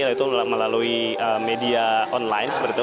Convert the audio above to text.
yaitu melalui media online seperti itu